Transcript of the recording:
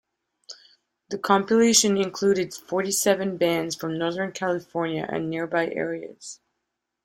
The compilation included forty-seven bands from Northern California and nearby areas.